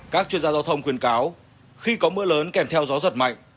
các chuyên gia giao thông khuyên cáo khi có mưa lớn kèm theo gió giật mạnh